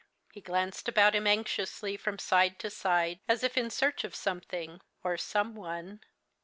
He glanced about him anxiously from side to side, as if in search of something or some one.